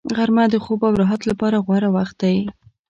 غرمه د خوب او راحت لپاره غوره وخت دی